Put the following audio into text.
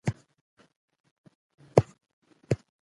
خو منډېلا غوښتل ثابته کړي چې هغه یو بدل شوی انسان دی.